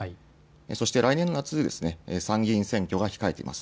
そして来年の夏、参議院選挙が控えています。